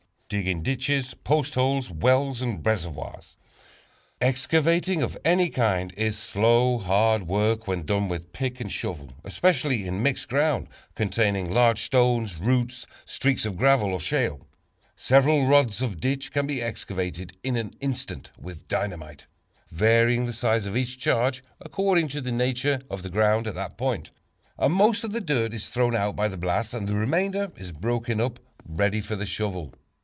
Digging Ditches, Post Holes, Wells and Reservoirs. Excavating of any kind is slow, hard work when done with pick and shovel, especially in mixed ground containing large stones, roots, streaks of gravel or shale. Several rods of ditch can be excavated in an instant with dynamite, varying the size of each charge according to the nature of the ground at that point. Most of the dirt is thrown out by the blast and the remainder is broken up ready for the shovel.